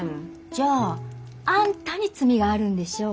じゃああんたに罪があるんでしょう？